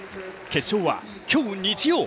決勝は今日、日曜。